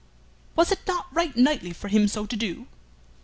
Was it not right knightly for him so to do?"